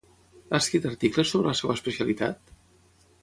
Ha escrit articles sobre la seva especialitat?